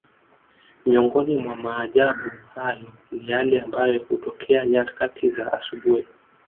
Miongoni mwa maajabu hayo ni yale ambayo hutokea nyakati za asubuhi